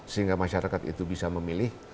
sehingga masyarakat itu bisa memilih